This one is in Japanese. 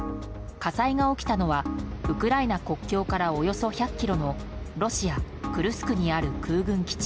火災が起きたのはウクライナ国境からおよそ１００ｋｍのロシア・クルスクにある空軍基地。